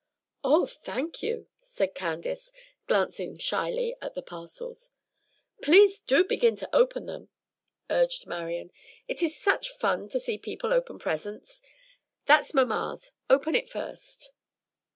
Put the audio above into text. "Oh, thank you," said Candace, glancing shyly at the parcels. "Please do begin to open them!" urged Marian. "It is such fun to see people open presents. That's mamma's; open it first."